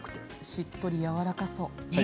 しっとりやわらかそう。